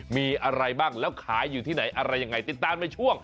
มีอะไรบ้างแล้วขายอยู่ที่ไหนอะไรยังไงติดตามในช่วง